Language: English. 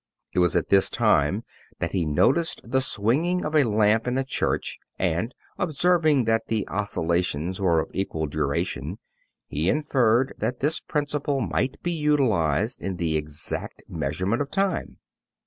It was at this time that he noticed the swinging of a lamp in a church, and, observing that the oscillations were of equal duration, he inferred that this principle might be utilized in the exact measurement of time.